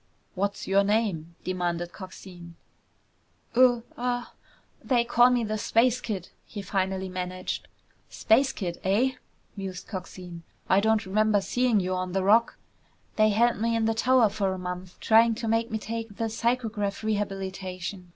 "What's your name?" demanded Coxine. "Uh uh they call me the Space Kid!" he finally managed. "Space Kid, eh?" mused Coxine. "I don't remember seeing you on the Rock." "They held me in the tower for a month trying to make me take the psychograph rehabilitation.